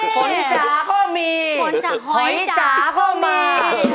ขนจ๋าก็มีหอยจ๋าก็มี